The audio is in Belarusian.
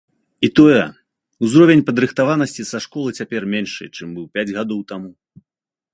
І тое, узровень падрыхтаванасці са школы цяпер меншы, чым быў пяць гадоў таму.